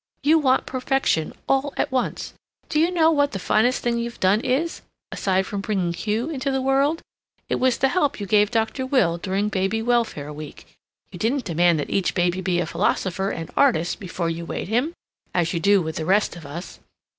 You want perfection all at once. Do you know what the finest thing you've done is aside from bringing Hugh into the world? It was the help you gave Dr. Will during baby welfare week. You didn't demand that each baby be a philosopher and artist before you weighed him, as you do with the rest of us.